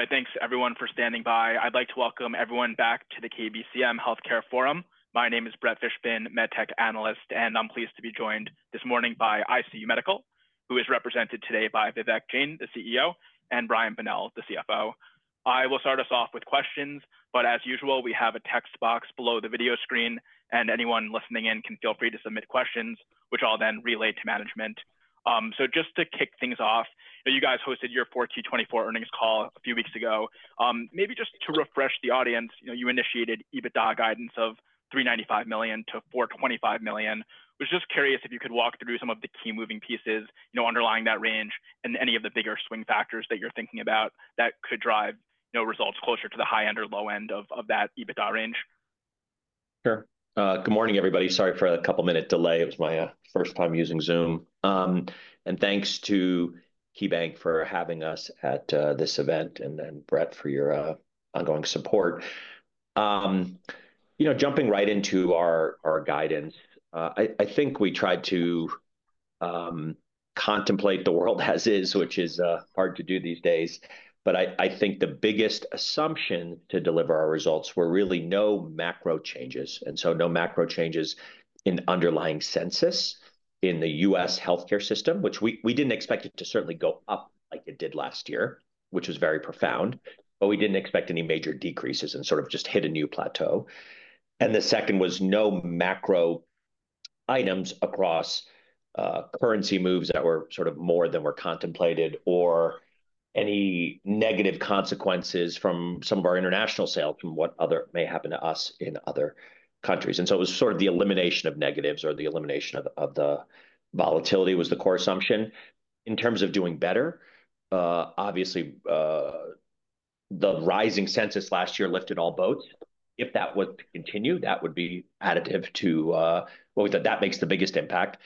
All right, thanks everyone for standing by. I'd like to welcome everyone back to the KBCM Healthcare Forum. My name is Brett Fishbin, MedTech Analyst, and I'm pleased to be joined this morning by ICU Medical, who is represented today by Vivek Jain, the CEO, and Brian Bonnell, the CFO. I will start us off with questions, but as usual, we have a text box below the video screen, and anyone listening in can feel free to submit questions, which I'll then relay to management. Just to kick things off, you guys hosted your 4Q 2024 earnings call a few weeks ago. Maybe just to refresh the audience, you initiated EBITDA guidance of $395 million-$425 million. I was just curious if you could walk through some of the key moving pieces underlying that range and any of the bigger swing factors that you're thinking about that could drive results closer to the high end or low end of that EBITDA range. Sure. Good morning, everybody. Sorry for a couple-minute delay. It was my first time using Zoom. And thanks to KeyBank for having us at this event, and Brett for your ongoing support. Jumping right into our guidance, I think we tried to contemplate the world as is, which is hard to do these days. But I think the biggest assumption to deliver our results were really no macro changes. And so no macro changes in underlying census in the U.S. healthcare system, which we did not expect it to certainly go up like it did last year, which was very profound. But we did not expect any major decreases and sort of just hit a new plateau. The second was no macro items across currency moves that were sort of more than were contemplated or any negative consequences from some of our international sales from what may happen to us in other countries. It was sort of the elimination of negatives or the elimination of the volatility was the core assumption. In terms of doing better, obviously, the rising census last year lifted all boats. If that was to continue, that would be additive to what we thought that makes the biggest impact.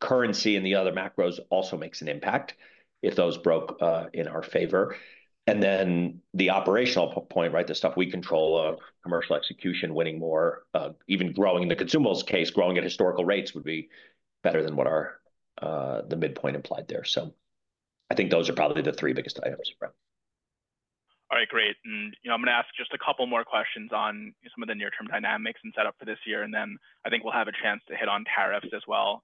Currency and the other macros also makes an impact if those broke in our favor. The operational point, right, the stuff we control, commercial execution, winning more, even growing in the consumables case, growing at historical rates would be better than what the midpoint implied there. I think those are probably the three biggest items. All right, great. I'm going to ask just a couple more questions on some of the near-term dynamics and set up for this year. I think we'll have a chance to hit on tariffs as well.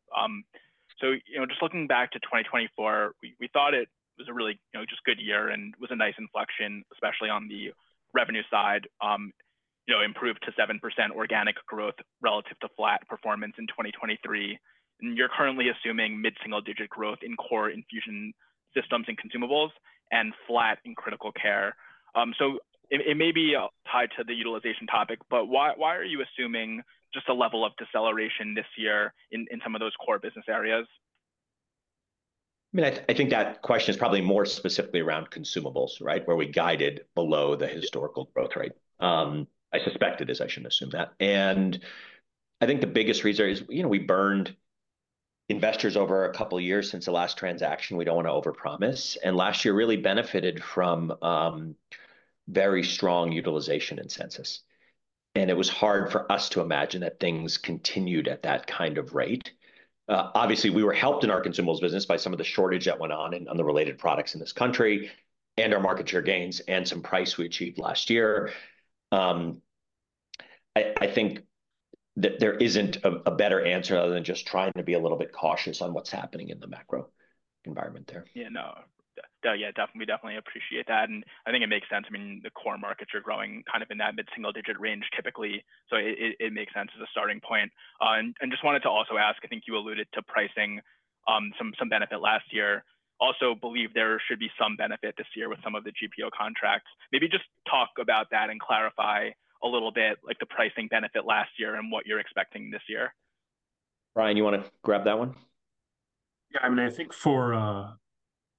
Just looking back to 2024, we thought it was a really just good year and was a nice inflection, especially on the revenue side, improved to 7% organic growth relative to flat performance in 2023. You're currently assuming mid-single-digit growth in core infusion systems and consumables, and flat in critical care. It may be tied to the utilization topic, but why are you assuming just a level of deceleration this year in some of those core business areas? I mean, I think that question is probably more specifically around consumables, right, where we guided below the historical growth rate. I suspected it, as I shouldn't assume that. I think the biggest reason is we burned investors over a couple of years since the last transaction. We don't want to overpromise. Last year really benefited from very strong utilization in census. It was hard for us to imagine that things continued at that kind of rate. Obviously, we were helped in our consumables business by some of the shortages that went on in unrelated products in this country and our market share gains and some prices we achieved last year. I think that there isn't a better answer other than just trying to be a little bit cautious on what's happening in the macro environment there. Yeah, no, yeah, definitely, definitely appreciate that. I think it makes sense. I mean, the core markets are growing kind of in that mid-single-digit range typically. It makes sense as a starting point. I just wanted to also ask, I think you alluded to pricing some benefit last year. I also believe there should be some benefit this year with some of the GPO contracts. Maybe just talk about that and clarify a little bit like the pricing benefit last year and what you're expecting this year? Brian, you want to grab that one? Yeah, I mean, I think for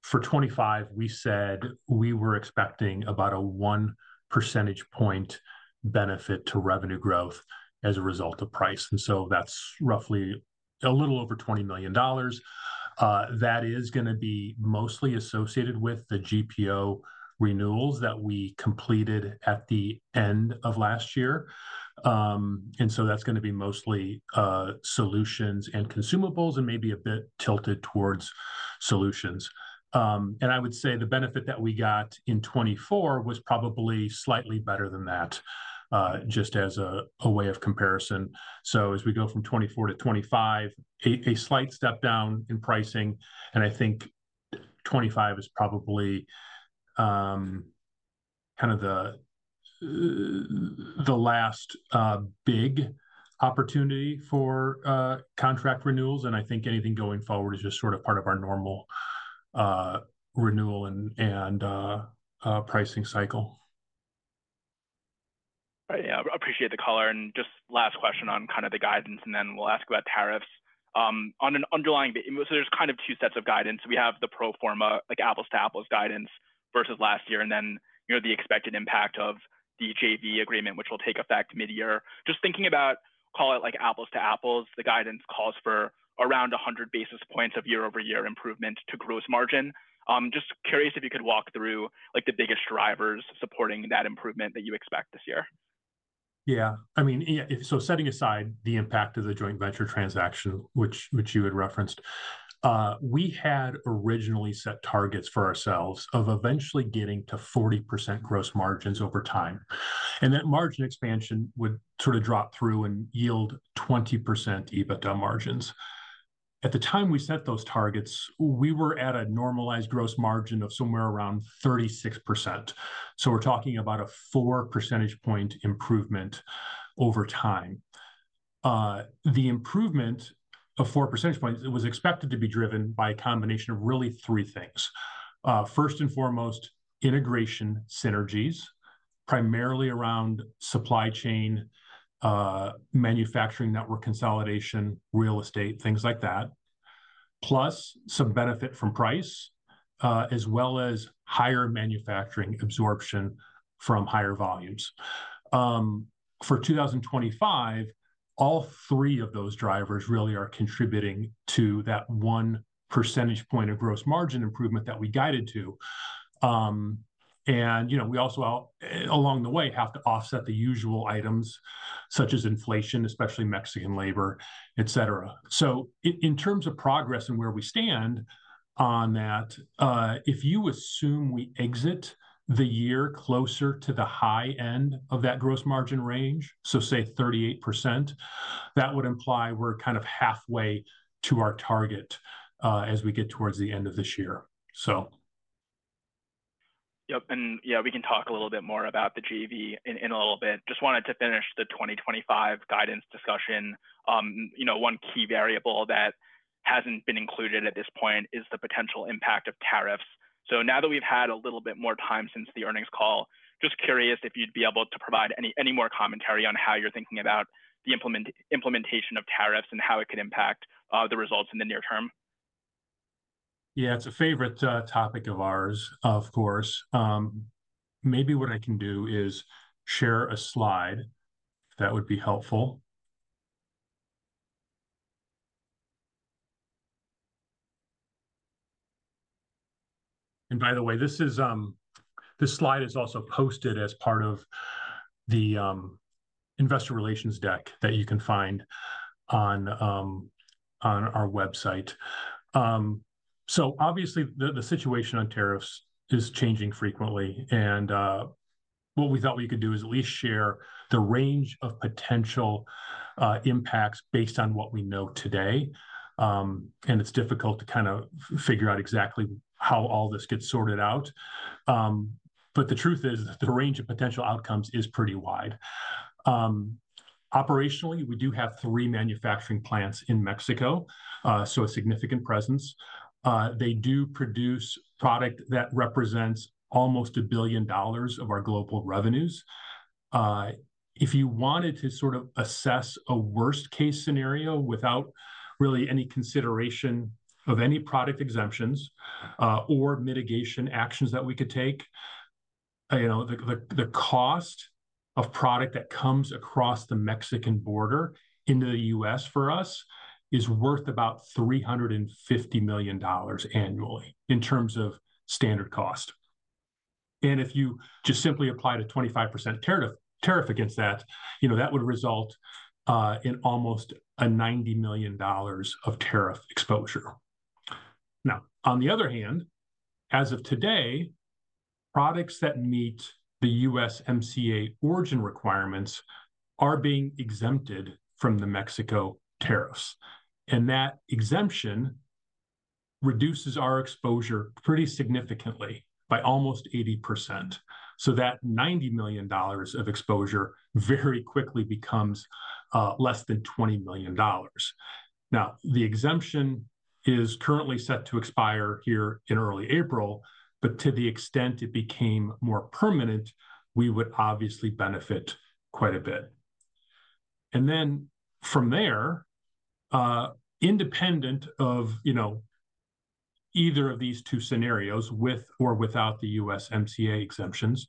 2025, we said we were expecting about a one percentage point benefit to revenue growth as a result of price. And so that's roughly a little over $20 million. That is going to be mostly associated with the GPO renewals that we completed at the end of last year. And so that's going to be mostly solutions and consumables and maybe a bit tilted towards solutions. I would say the benefit that we got in 2024 was probably slightly better than that, just as a way of comparison. As we go from 2024 to 2025, a slight step down in pricing. I think 2025 is probably kind of the last big opportunity for contract renewals. I think anything going forward is just sort of part of our normal renewal and pricing cycle. Yeah, I appreciate the caller. Just last question on kind of the guidance, and then we'll ask about tariffs. On an underlying basis, so there's kind of two sets of guidance. We have the pro forma, like apples-to-apples guidance versus last year, and then the expected impact of the JV Agreement, which will take effect mid-year. Just thinking about, call it like apples to apples, the guidance calls for around 100 basis points of year-over-year improvement to gross margin. Just curious if you could walk through the biggest drivers supporting that improvement that you expect this year? Yeah, I mean, setting aside the impact of the joint venture transaction, which you had referenced, we had originally set targets for ourselves of eventually getting to 40% gross margins over time. That margin expansion would sort of drop through and yield 20% EBITDA margins. At the time we set those targets, we were at a normalized gross margin of somewhere around 36%. We're talking about a 4 percentage point improvement over time. The improvement of 4 percentage points was expected to be driven by a combination of really three things. First and foremost, integration synergies, primarily around supply chain, manufacturing network consolidation, real estate, things like that, plus some benefit from price, as well as higher manufacturing absorption from higher volumes. For 2025, all three of those drivers really are contributing to that 1 percentage point of gross margin improvement that we guided to. We also, along the way, have to offset the usual items such as inflation, especially Mexican labor, etc. In terms of progress and where we stand on that, if you assume we exit the year closer to the high end of that gross margin range, so say 38%, that would imply we're kind of halfway to our target as we get towards the end of this year. Yep. And yeah, we can talk a little bit more about the JV in a little bit. Just wanted to finish the 2025 guidance discussion. One key variable that hasn't been included at this point is the potential impact of tariffs. Now that we've had a little bit more time since the earnings call, just curious if you'd be able to provide any more commentary on how you're thinking about the implementation of tariffs and how it could impact the results in the near term? Yeah, it's a favorite topic of ours, of course. Maybe what I can do is share a slide. That would be helpful. By the way, this slide is also posted as part of the investor relations deck that you can find on our website. Obviously, the situation on tariffs is changing frequently. What we thought we could do is at least share the range of potential impacts based on what we know today. It's difficult to kind of figure out exactly how all this gets sorted out. The truth is, the range of potential outcomes is pretty wide. Operationally, we do have three manufacturing plants in Mexico, so a significant presence. They do produce product that represents almost $1 billion of our global revenues. If you wanted to sort of assess a worst-case scenario without really any consideration of any product exemptions or mitigation actions that we could take, the cost of the product that comes across the Mexican border into the U.S. for us is worth about $350 million annually in terms of standard cost. If you just simply apply a 25% tariff against that, that would result in almost a $90 million of tariff exposure. Now, on the other hand, as of today, products that meet the USMCA origin requirements are being exempted from the Mexico tariffs. That exemption reduces our exposure pretty significantly by almost 80%. So that $90 million of exposure very quickly becomes less than $20 million. Now, the exemption is currently set to expire here in early April, but to the extent it became more permanent, we would obviously benefit quite a bit. From there, independent of either of these two scenarios, with or without the USMCA exemptions,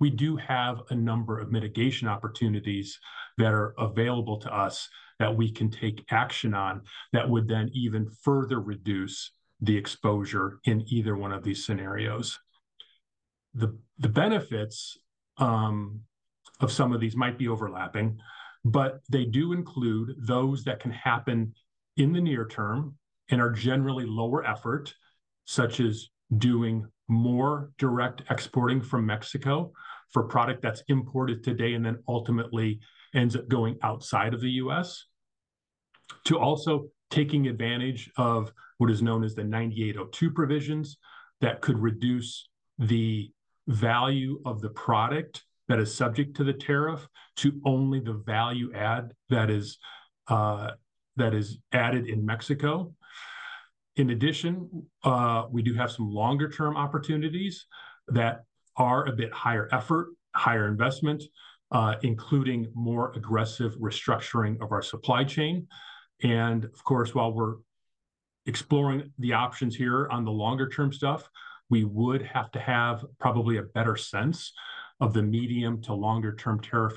we do have a number of mitigation opportunities that are available to us that we can take action on that would then even further reduce the exposure in either one of these scenarios. The benefits of some of these might be overlapping, but they do include those that can happen in the near term and are generally lower effort, such as doing more direct exporting from Mexico for product that is imported today and then ultimately ends up going outside of the U.S., to also taking advantage of what is known as the 9802 provisions that could reduce the value of the product that is subject to the tariff to only the value add that is added in Mexico. In addition, we do have some longer-term opportunities that are a bit higher effort, higher investment, including more aggressive restructuring of our supply chain. Of course, while we're exploring the options here on the longer-term stuff, we would have to have probably a better sense of the medium to longer-term tariff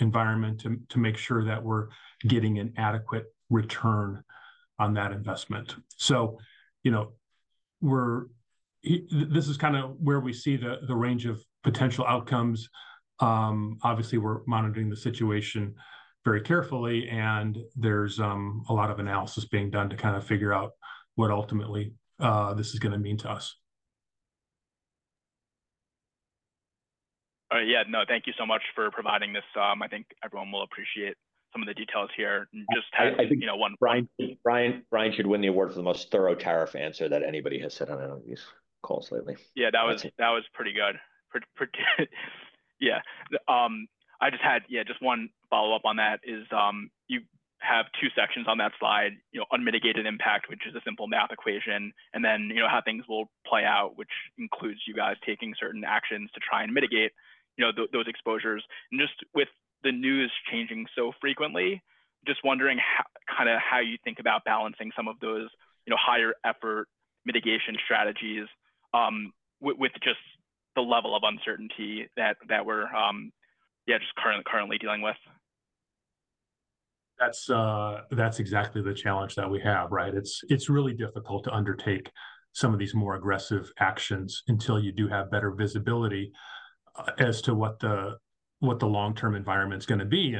environment to make sure that we're getting an adequate return on that investment. This is kind of where we see the range of potential outcomes. Obviously, we're monitoring the situation very carefully, and there's a lot of analysis being done to kind of figure out what ultimately this is going to mean to us. Yeah, no, thank you so much for providing this. I think everyone will appreciate some of the details here. Just had. Brian should win the award for the most thorough tariff answer that anybody has said on any of these calls lately. Yeah, that was pretty good. Yeah. I just had, yeah, just one follow-up on that is you have two sections on that slide, unmitigated impact, which is a simple math equation, and then how things will play out, which includes you guys taking certain actions to try and mitigate those exposures. Just with the news changing so frequently, just wondering kind of how you think about balancing some of those higher-effort mitigation strategies with just the level of uncertainty that we're just currently dealing with? That's exactly the challenge that we have, right? It's really difficult to undertake some of these more aggressive actions until you do have better visibility as to what the long-term environment's going to be.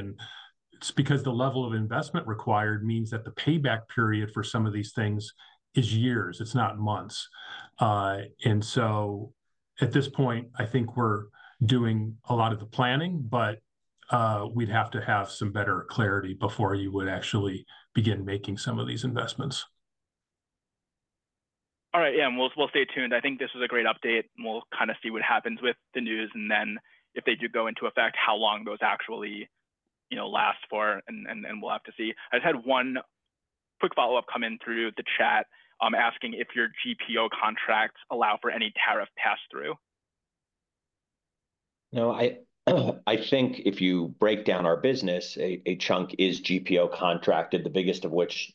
It's because the level of investment required means that the payback period for some of these things is years. It's not months. At this point, I think we're doing a lot of the planning, but we'd have to have some better clarity before you would actually begin making some of these investments. All right, yeah, and we'll stay tuned. I think this is a great update. We'll kind of see what happens with the news, and then if they do go into effect, how long those actually last for, and we'll have to see. I just had one quick follow-up come in through the chat asking if your GPO contracts allow for any tariff pass-through? No, I think if you break down our business, a chunk is GPO contracted, the biggest of which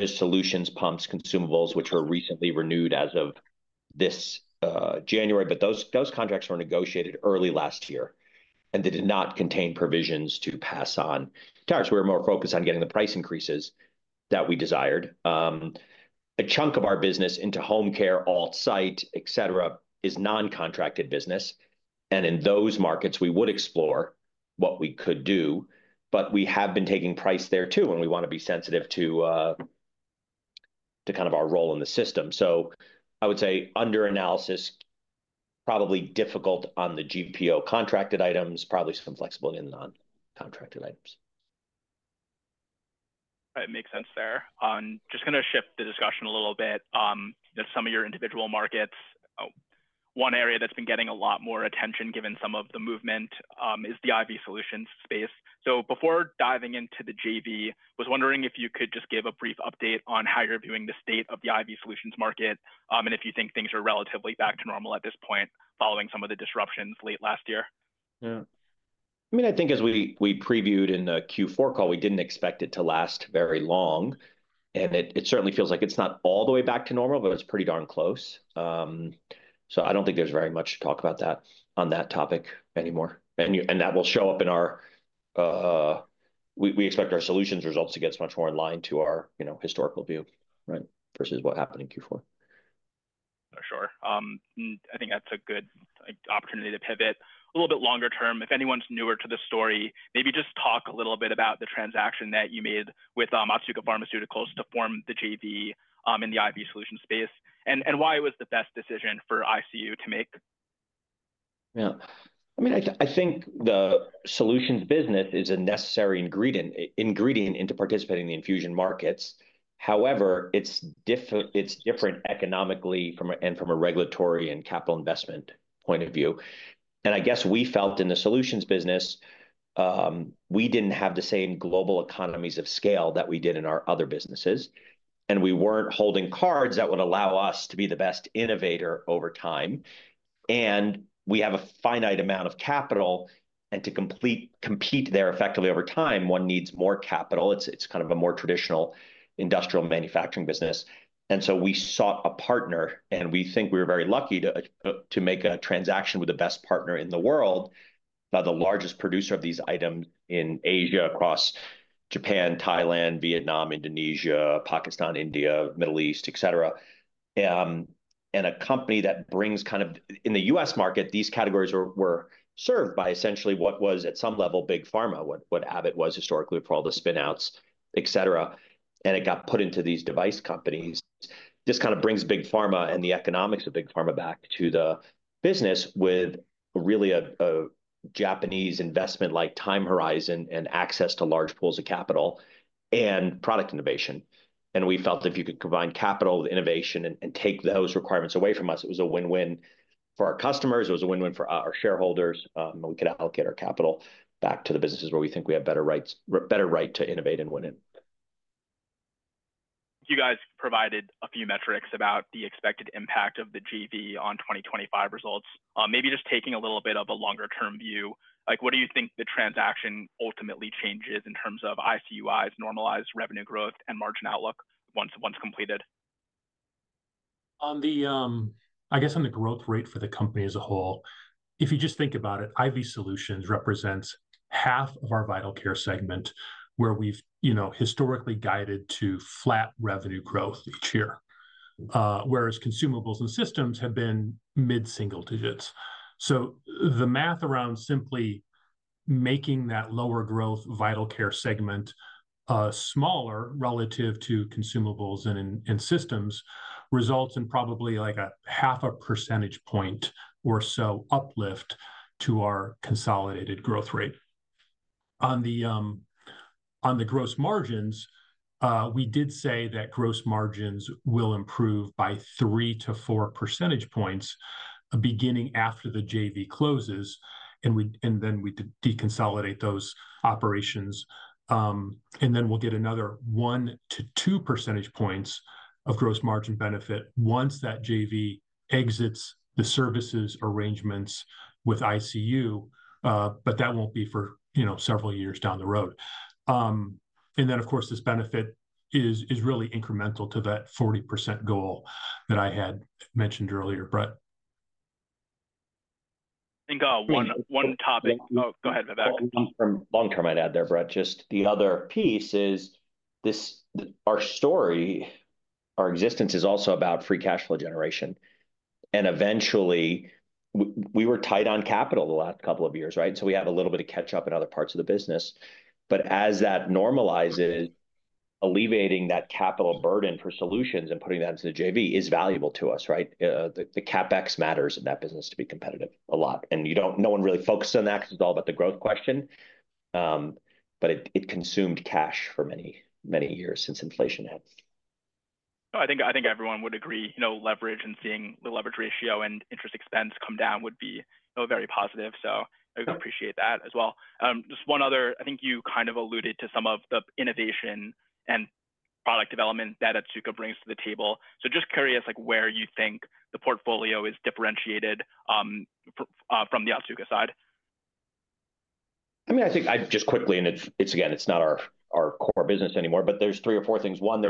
is solutions, pumps, and consumables, which were recently renewed as of this January. Those contracts were negotiated early last year, and they did not contain provisions to pass on tariffs. We were more focused on getting the price increases that we desired. A chunk of our business into home care, alt site, etc., is non-contracted business. In those markets, we would explore what we could do, but we have been taking price there too, and we want to be sensitive to kind of our role in the system. I would say under analysis, probably difficult on the GPO contracted items, and probably some flexibility in the non-contracted items. That makes sense there. I'm just going to shift the discussion a little bit. Some of your individual markets, one area that's been getting a lot more attention, given some of the movement is the IV solutions space. Before diving into the JV, I was wondering if you could just give a brief update on how you're viewing the state of the IV solutions market and if you think things are relatively back to normal at this point, following some of the disruptions late last year. Yeah. I mean, I think as we previewed in the Q4 call, we didn't expect it to last very long. It certainly feels like it's not all the way back to normal, but it's pretty darn close. I don't think there's very much to talk about on that topic anymore. That will show up in our, we expect our solutions results to get much more in line to our historical view versus what happened in Q4. For sure. I think that's a good opportunity to pivot a little bit longer term. If anyone's newer to the story, maybe just talk a little bit about the transaction that you made with Otsuka Pharmaceutical to form the JV in the IV solution space, and why it was the best decision for ICU to make? Yeah. I mean, I think the solutions business is a necessary ingredient into participating in the infusion markets. However, it's different economically and from a regulatory and capital investment point of view. I guess we felt in the solutions business, we didn't have the same global economies of scale that we did in our other businesses. We weren't holding cards that would allow us to be the best innovators over time. We have a finite amount of capital. To compete there effectively over time, one needs more capital. It's kind of a more traditional industrial manufacturing business. We sought a partner, and we think we were very lucky to make a transaction with the best partner in the world, the largest producer of these items in Asia across Japan, Thailand, Vietnam, Indonesia, Pakistan, India, Middle East, etc. A company that brings kind of in the U.S. market, these categories were served by essentially what was at some level Big Pharma, what Abbott was historically for all the spinouts, etc. It got put into these device companies. This kind of brings Big Pharma and the economics of Big Pharma back to the business with really Japanese investment-like time horizon and access to large pools of capital and product innovation. We felt if you could combine capital with innovation and take those requirements away from us, it was a win-win for our customers. It was a win-win for our shareholders. We could allocate our capital back to the businesses where we think we have better right to innovate and win in. You guys provided a few metrics about the expected impact of the JV on 2025 results. Maybe just taking a little bit of a longer-term view, what do you think the transaction ultimately changes in terms of ICU Medical's normalized revenue growth and margin outlook once completed? I guess on the growth rate for the company as a whole, if you just think about it, IV solutions represents half of our vital care segment, where we've historically guided to flat revenue growth each year, whereas consumables and systems have been mid-single digits. The math around simply making that lower growth vital care segment smaller relative to consumables and systems results in probably like a half a percentage point or so uplift to our consolidated growth rate. On the gross margins, we did say that gross margins will improve by three to four percentage points beginning after the JV closes, and then we deconsolidate those operations. We will get another one to two percentage points of gross margin benefit once that JV exits the services arrangements with ICU, but that won't be for several years down the road. This benefit is really incremental to that 40% goal that I had mentioned earlier, Brett. I think one topic. Oh, go ahead, Vivek. Long-term, I'd add there, Brett. Just the other piece is our story; our existence is also about free cash flow generation. Eventually, we were tight on capital the last couple of years, right? We have a little bit of catch-up in other parts of the business. As that normalizes, alleviating that capital burden for solutions and putting that into the JV is valuable to us, right? The CapEx matters in that business to be competitive a lot. No one really focused on that because it's all about the growth question, but it consumed cash for many, many years since inflation hit. I think everyone would agree leverage and seeing the leverage ratio and interest expense come down would be very positive. I appreciate that as well. Just one other, I think you kind of alluded to some of the innovation and product development that Otsuka brings to the table. Just curious where you think the portfolio is differentiated from the Otsuka side? I mean, I think just quickly, and again, it's not our core business anymore, but there's three or four things. One,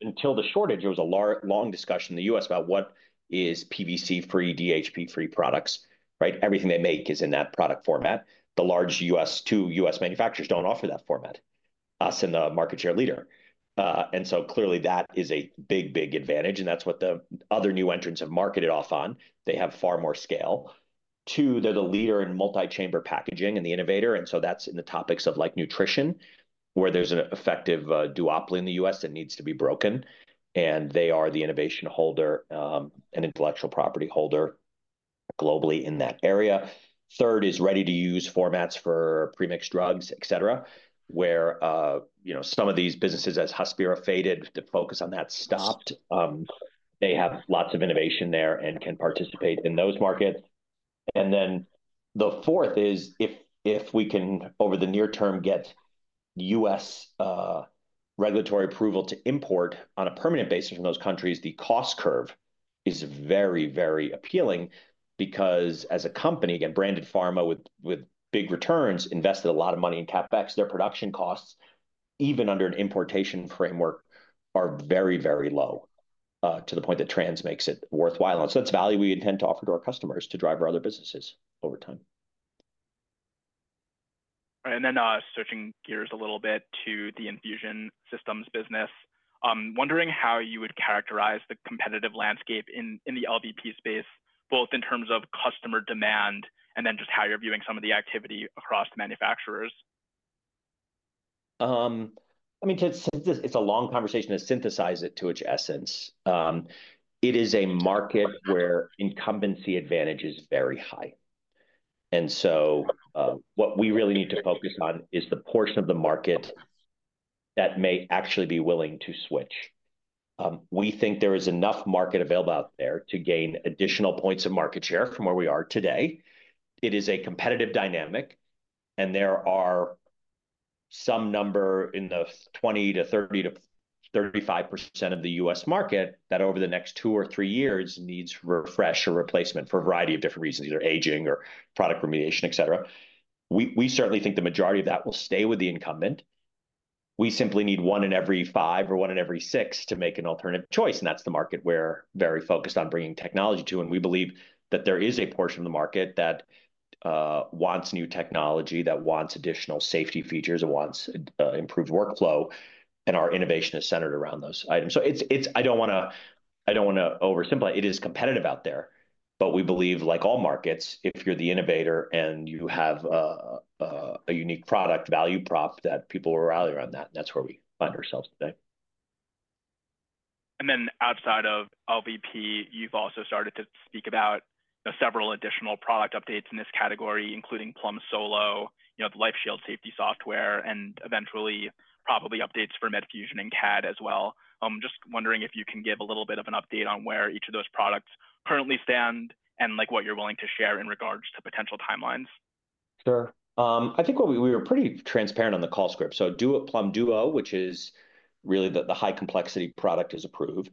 until the shortage, there was a long discussion in the U.S. about what is PVC-free, DEHP-free products, right? Everything they make is in that product format. The large U.S. two U.S. manufacturers don't offer that format. Us and the market share leader. Clearly, that is a big, big advantage. That's what the other new entrants have marketed off on. They have far more scale. Two, they're the leader in multi-chamber packaging and the innovator. That's in the topics of nutrition, where there's an effective duopoly in the U.S. that needs to be broken. They are the innovation holder and intellectual property holder globally in that area. Third is ready-to-use formats for premixed drugs, etc., where some of these businesses as Hospira, faded, the focus on that stopped. They have lots of innovation there and can participate in those markets. The fourth is if we can, over the near term, get U.S. regulatory approval to import on a permanent basis from those countries, the cost curve is very, very appealing because, as a company, again, Branded Pharma, with big returns invested a lot of money in CapEx. Their production costs, even under an importation framework, are very, very low to the point that it makes it worthwhile. That is value we intend to offer to our customers to drive our other businesses over time. Switching gears a little bit to the infusion systems business, I'm wondering how you would characterize the competitive landscape in the LVP space, both in terms of customer demand and then just how you're viewing some of the activity across the manufacturers? I mean, it's a long conversation to synthesize it to its essence. It is a market where incumbency advantage is very high. What we really need to focus on is the portion of the market that may actually be willing to switch. We think there is enough market available out there to gain additional points of market share from where we are today. It is a competitive dynamic, and there are some number in the 20%-30%-35% of the U.S. market that over the next two or three years needs refresh or replacement for a variety of different reasons, either aging or product remediation, etc. We certainly think the majority of that will stay with the incumbent. We simply need one in every five or one in every six to make an alternate choice. That is the market we are very focused on bringing technology to. We believe that there is a portion of the market that wants new technology, that wants additional safety features, that wants improved workflow. Our innovation is centered around those items. I do not want to oversimplify. It is competitive out there. We believe, like all markets, if you are the innovator and you have a unique product value prop that people rely on, that is where we find ourselves today. Outside of LVP, you've also started to speak about several additional product updates in this category, including Plum Solo, the LifeShield Safety Software, and eventually probably updates for MedFusion and CADD as well. I'm just wondering if you can give a little bit of an update on where each of those products currently stand and what you're willing to share in regards to potential timelines. Sure. I think we were pretty transparent on the call script. Plum Duo, which is really the high-complexity product, is approved.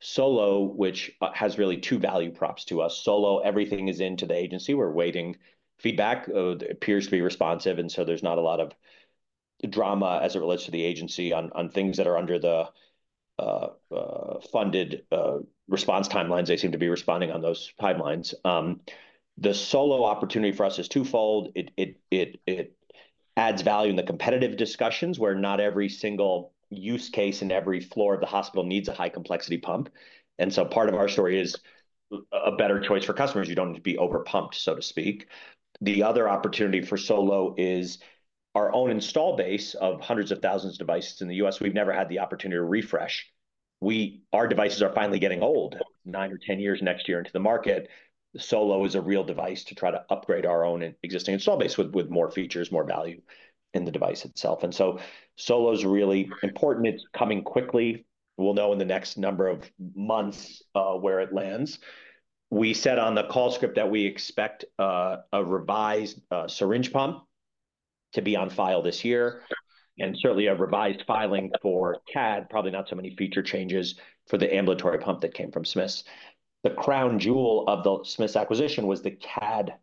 Solo, which has really two value props to us. Solo, everything is into the agency. We're waiting for feedback. It appears to be responsive. There is not a lot of drama as it relates to the agency on things that are under the funded response timelines. They seem to be responding on those timelines. The Solo opportunity for us is twofold. It adds value in the competitive discussions where not every single use case in every floor of the hospital needs a high-complexity pump. Part of our story is a better choice for customers. You do not need to be overpumped, so to speak. The other opportunity for Solo is our own install base of hundreds of thousands of devices in the U.S. We've never had the opportunity to refresh. Our devices are finally getting old. Nine or ten years next year into the market, Solo is a real device to try to upgrade our own existing install base with more features, more value in the device itself. Solo is really important. It's coming quickly. We'll know in the next number of months where it lands. We set on the call script that we expect a revised syringe pump to be on file this year, and certainly a revised filing for CADD, probably not so many feature changes for the ambulatory pump that came from Smiths. The crown jewel of the Smiths acquisition was the CADD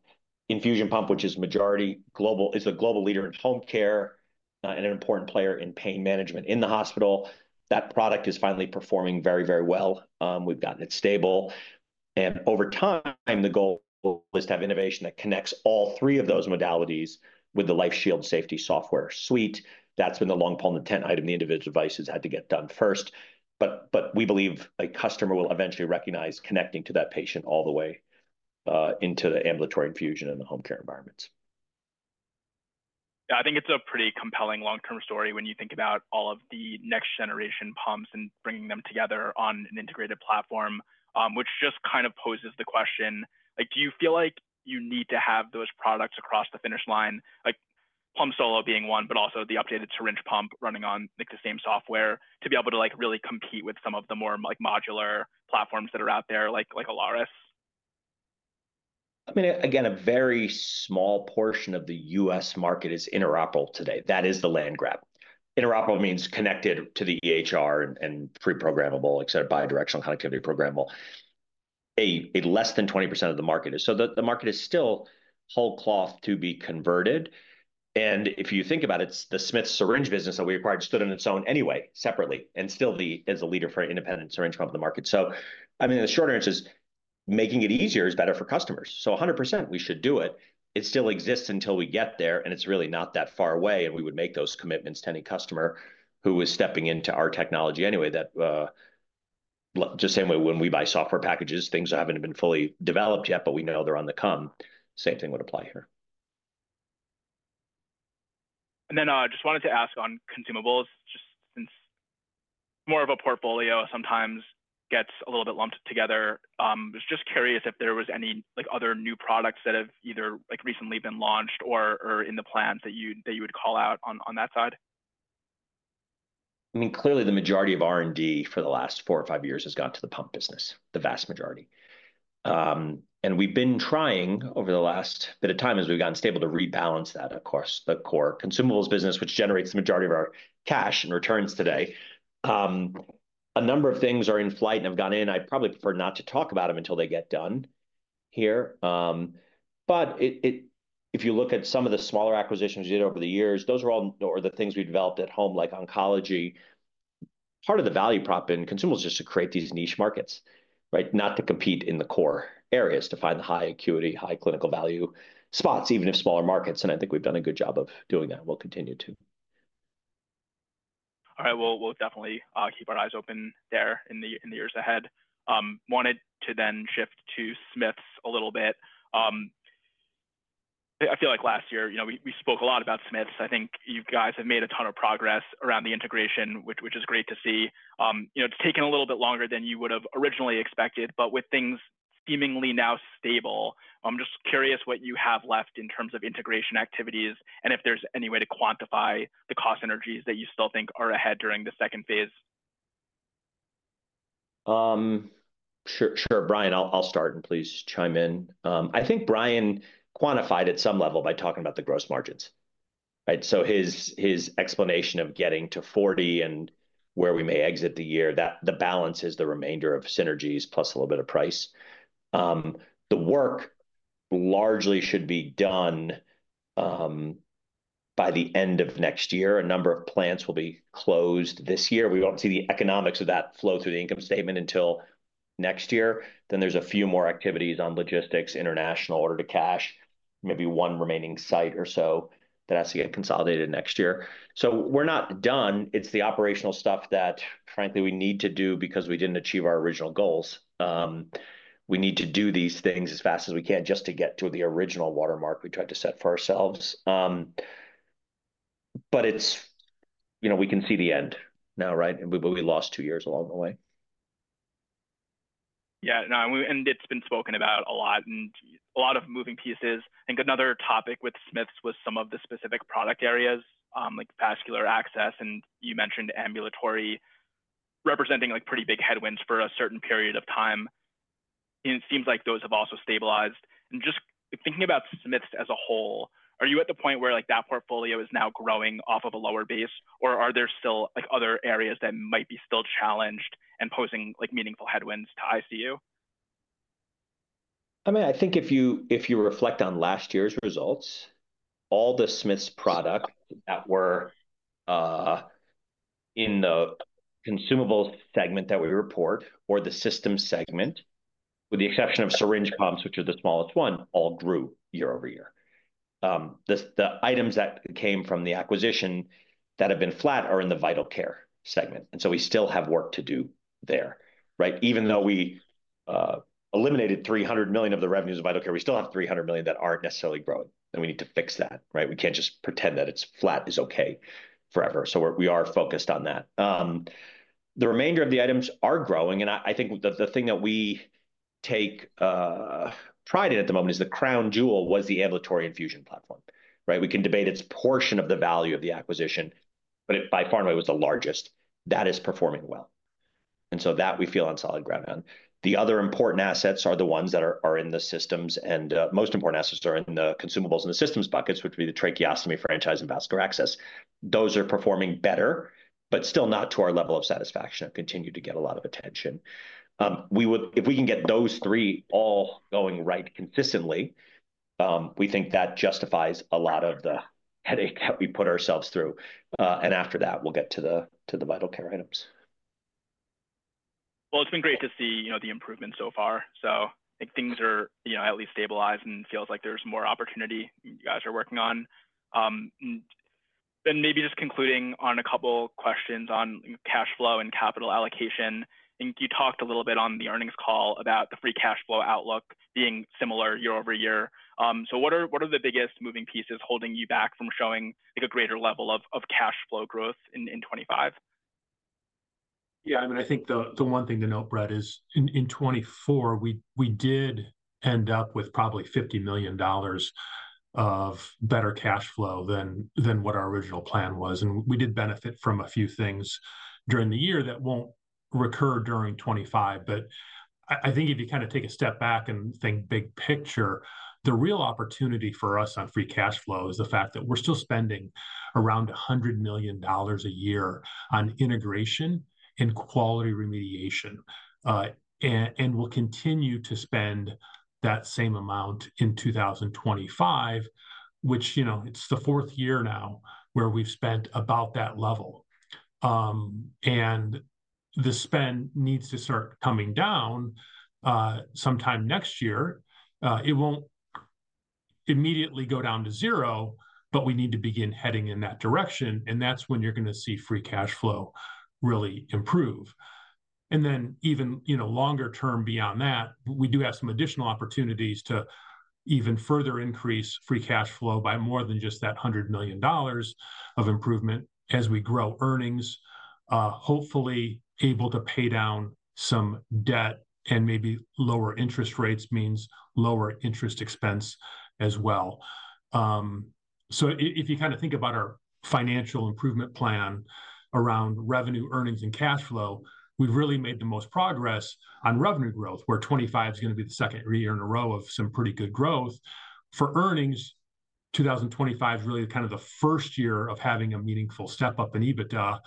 infusion pump, which is majority global, is a global leader in home care and an important player in pain management in the hospital. That product is finally performing very, very well. We've gotten it stable. Over time, the goal is to have innovation that connects all three of those modalities with the LifeShield Safety Software suite. That has been the long-haul intent item. The individual devices had to get done first. We believe a customer will eventually recognize connecting to that patient all the way into the ambulatory infusion and the home care environments. Yeah, I think it's a pretty compelling long-term story when you think about all of the next-generation pumps and bringing them together on an integrated platform, which just kind of poses the question, do you feel like you need to have those products across the finish line, Plum Solo being one, but also the updated syringe pump running on the same software to be able to really compete with some of the more modular platforms that are out there, like Alaris? I mean, again, a very small portion of the U.S. market is interoperable today. That is the land grab. Interoperable means connected to the EHR and pre-programmable, except bi-directional connectivity programmable. Less than 20% of the market is. The market is still whole cloth to be converted. If you think about it, the Smiths Syringe Business that we acquired stood on its own anyway, separately, and still is a leader for an independent syringe pump in the market. I mean, the short answer is making it easier is better for customers. 100%, we should do it. It still exists until we get there. It is really not that far away. We would make those commitments to any customer who is stepping into our technology anyway. Just same way when we buy software packages, things have not been fully developed yet, but we know they are on the come. Same thing would apply here. I just wanted to ask on consumables, just since more of a portfolio sometimes gets a little bit lumped together. I was just curious if there were any other new products that have either recently been launched or in the plans that you would call out on that side. I mean, clearly, the majority of R&D for the last four or five years has gone to the pump business, the vast majority. We have been trying over the last bit of time as we have gotten stable to rebalance that, of course, the core consumables business, which generates the majority of our cash and returns today. A number of things are in flight and have gone in. I would probably prefer not to talk about them until they get done here. If you look at some of the smaller acquisitions we did over the years, those are the things we developed at home, like oncology. Part of the value prop in consumables is just to create these niche markets, right? Not to compete in the core areas, to find the high acuity, high clinical value spots, even if smaller markets. I think we've done a good job of doing that. We'll continue to. All right. We'll definitely keep our eyes open there in the years ahead. I wanted to then shift to Smiths a little bit. I feel like last year, we spoke a lot about Smiths. I think you guys have made a ton of progress around the integration, which is great to see. It's taken a little bit longer than you would have originally expected. With things seemingly now stable, I'm just curious what you have left in terms of integration activities and if there's any way to quantify the cost synergies that you still think are ahead during the second phase? Sure, Brian, I'll start, and please chime in. I think Brian quantified at some level by talking about the gross margins, right? His explanation of getting to 40 and where we may exit the year, the balance is the remainder of synergies plus a little bit of price. The work largely should be done by the end of next year. A number of plants will be closed this year. We won't see the economics of that flow through the income statement until next year. There are a few more activities on logistics, international order to cash, maybe one remaining site or so that has to get consolidated next year. We are not done. It's the operational stuff that, frankly, we need to do because we didn't achieve our original goals. We need to do these things as fast as we can just to get to the original watermark we tried to set for ourselves. We can see the end now, right? We lost two years along the way. Yeah. It has been spoken about a lot and a lot of moving pieces. I think another topic with Smiths was some of the specific product areas like vascular access. You mentioned ambulatory representing pretty big headwinds for a certain period of time. It seems like those have also stabilized. Just thinking about Smiths as a whole, are you at the point where that portfolio is now growing off of a lower base, or are there still other areas that might be still challenged and posing meaningful headwinds to ICU? I mean, I think if you reflect on last year's results, all the Smiths products that were in the consumables segment that we report or the system segment, with the exception of syringe pumps, which are the smallest one, all grew year-over-year. The items that came from the acquisition that have been flat are in the vital care segment. I mean, we still have work to do there, right? Even though we eliminated $300 million of the revenues of vital care, we still have $300 million that are not necessarily growing. We need to fix that, right? We cannot just pretend that flat is okay forever. We are focused on that. The remainder of the items are growing. I think the thing that we take pride in at the moment is the crown jewel was the ambulatory infusion platform, right? We can debate its portion of the value of the acquisition, but by far and away was the largest. That is performing well. That we feel on solid ground on. The other important assets are the ones that are in the systems. The most important assets are in the consumables and the systems buckets, which would be the tracheostomy franchise and vascular access. Those are performing better, but still not to our level of satisfaction and continue to get a lot of attention. If we can get those three all going right consistently, we think that justifies a lot of the headache that we put ourselves through. After that, we'll get to the vital care items. It has been great to see the improvement so far. I think things are at least stabilized and feels like there is more opportunity you guys are working on. Maybe just concluding on a couple of questions on cash flow and capital allocation. I think you talked a little bit on the earnings call about the free cash flow outlook being similar year-over-year. What are the biggest moving pieces holding you back from showing a greater level of cash flow growth in 2025? Yeah. I mean, I think the one thing to note, Brett, is in 2024, we did end up with probably $50 million of better cash flow than what our original plan was. We did benefit from a few things during the year that won't recur during 2025. I think if you kind of take a step back and think big picture, the real opportunity for us on free cash flow is the fact that we're still spending around $100 million a year on integration and quality remediation. We'll continue to spend that same amount in 2025, which it's the fourth year now where we've spent about that level. The spend needs to start coming down sometime next year. It won't immediately go down to zero, but we need to begin heading in that direction. That's when you're going to see free cash flow really improve. Even longer term beyond that, we do have some additional opportunities to even further increase free cash flow by more than just that $100 million of improvement as we grow earnings, hopefully able to pay down some debt and maybe lower interest rates means lower interest expense as well. If you kind of think about our financial improvement plan around revenue, earnings, and cash flow, we've really made the most progress on revenue growth, where 2025 is going to be the second year in a row of some pretty good growth. For earnings, 2025 is really kind of the first year of having a meaningful step up in EBITDA.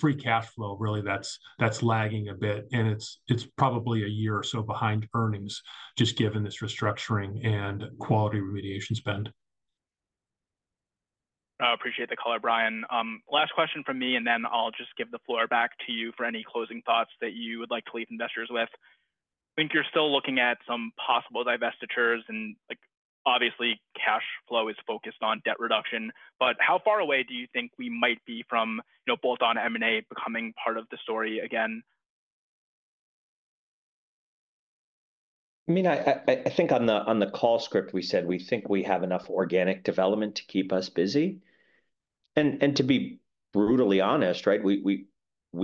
Free cash flow, really, is lagging a bit. It's probably a year or so behind earnings just given this restructuring and quality remediation spend. I appreciate the color, Brian. Last question from me, and then I'll just give the floor back to you for any closing thoughts that you would like to leave investors with. I think you're still looking at some possible divestitures. Obviously, cash flow is focused on debt reduction. How far away do you think we might be from bolt-on M&A becoming part of the story again? I mean, I think on the call script, we said we think we have enough organic development to keep us busy. To be brutally honest, right, we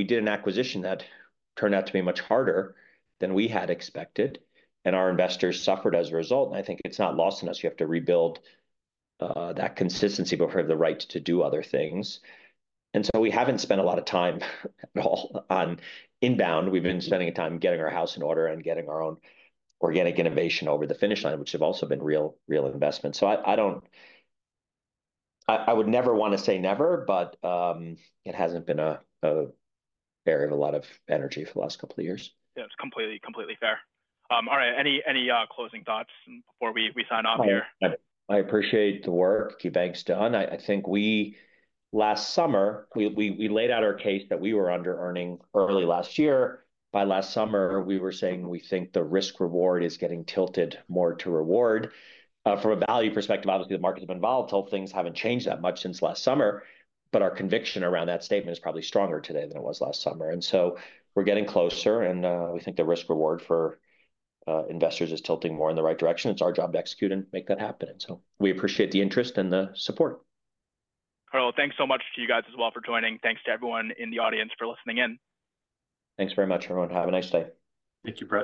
did an acquisition that turned out to be much harder than we had expected. Our investors suffered as a result. I think it's not lost on us. You have to rebuild that consistency before you have the right to do other things. We haven't spent a lot of time at all on inbound. We've been spending time getting our house in order and getting our own organic innovation over the finish line, which have also been real investments. I would never want to say never, but it hasn't been a barrier of a lot of energy for the last couple of years. Yeah, it's completely fair. All right. Any closing thoughts before we sign off here? I appreciate the work. Keep things done. I think last summer, we laid out our case that we were under earning early last year. By last summer, we were saying we think the risk-reward is getting tilted more to reward. From a value perspective, obviously, the markets have been volatile. Things have not changed that much since last summer. Our conviction around that statement is probably stronger today than it was last summer. We are getting closer. We think the risk-reward for investors is tilting more in the right direction. It is our job to execute and make that happen. We appreciate the interest and the support. Thanks so much to you guys as well for joining. Thanks to everyone in the audience for listening in. Thanks very much, everyone. Have a nice day. Thank you, Brett.